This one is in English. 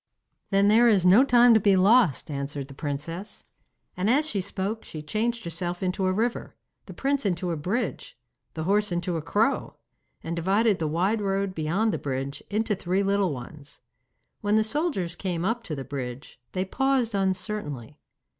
'Then there is no time to be lost,' answered the princess; and as she spoke she changed herself into a river, the prince into a bridge, the horse into a crow, and divided the wide road beyond the bridge into three little ones. When the soldiers came up to the bridge, they paused uncertainly.